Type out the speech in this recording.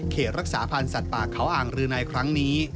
รักษาพันธ์สัตว์ป่าเขาอ่างรือในครั้งนี้